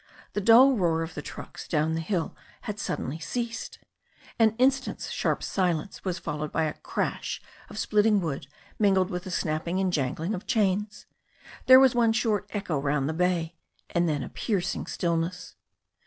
The dull roar of the trucks down the hill had suddenly ceased. An instant's sharp silence was followed by a crash of splitting wood, mingled with the snapping and jangling of chains. There was one short echo round the bay and then a piercing stillness.